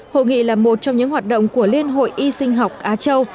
hội nghị là một trong những hoạt động của liên hội y sinh học á châu